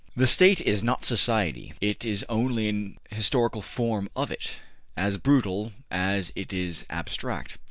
The State is not society, it is only an historical form of it, as brutal as it is abstract.